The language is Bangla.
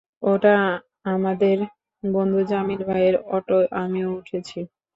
ওটা আমাদের বন্ধু জামিল ভাইয়ের অটো, আমিও উঠেছি।